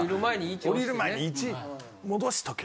降りる前に１押してね。